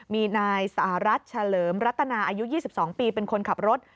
มีนายสหรัฐเฉลิมรัตนาอายุ๒๒ปีเป็นคนขับรถ